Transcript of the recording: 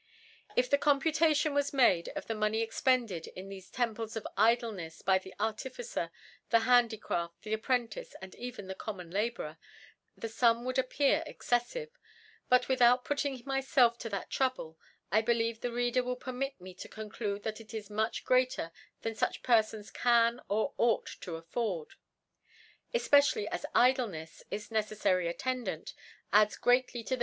If a Computation was made of the Mo ney expended in thefe Temples of Idlenefs by the Artificer, the Handicraft, the Ap prentice, and even the common Labourer; the Sum would appear exceffive ; but with out putting myfelf to that Trouble^ I be lieve the Readtr will permit me to con clude that it is much greater than fuch Per fons ( i6 ) fons can or ought to afford i efpecialiy as IdicQefs^ its oeceflTary Atteodanr, adds great* ]y to thtt.